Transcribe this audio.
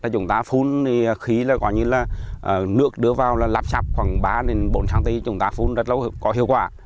chúng ta phun khí là gọi như là nước đưa vào là lắp sạp khoảng ba bốn cm chúng ta phun rất là có hiệu quả